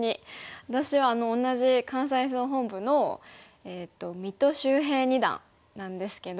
私は同じ関西総本部の三戸秀平二段なんですけど。